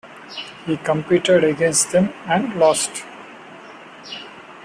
He competed against them and lost.